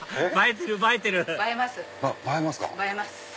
映えますか。